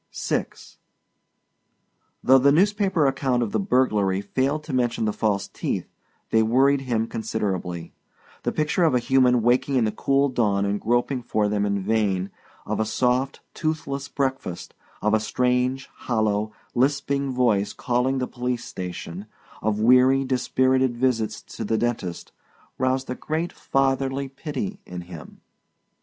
VI Though the newspaper account of the burglary failed to mention the false teeth, they worried him considerably. The picture of a human waking in the cool dawn and groping for them in vain, of a soft, toothless breakfast, of a strange, hollow, lisping voice calling the police station, of weary, dispirited visits to the dentist, roused a great fatherly pity in him.